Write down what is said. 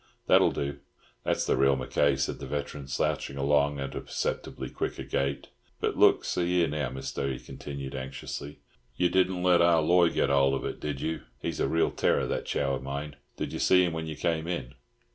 That'll do. That's the real Mackay," said the veteran, slouching along at a perceptibly quicker gait. "But, look, see here now, Mister!" he continued, anxiously, "you didn't let Ah Loy get hold of it, did you? He's a real terror, that Chow of mine. Did you see him when you came in?"